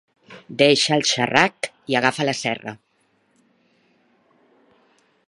Deixa el xerrac i agafa la serra.